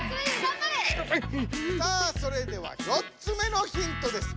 さあそれでは４つ目のヒントです。